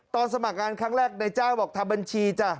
สมัครงานครั้งแรกในจ้างบอกทำบัญชีจ้ะ